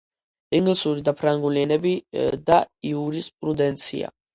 ინგლისური და ფრანგული ენები და იურისპრუდენცია.